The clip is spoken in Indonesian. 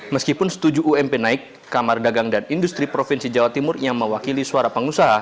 meskipun setuju ump naik kamar dagang dan industri provinsi jawa timur yang mewakili suara pengusaha